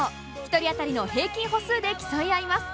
１人当たりの平均歩数で競い合います。